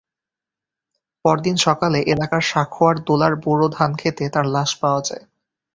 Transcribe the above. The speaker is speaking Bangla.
পরদিন সকালে এলাকার শাখোয়ার দোলার বোরো ধানখেতে তাঁর লাশ পাওয়া যায়।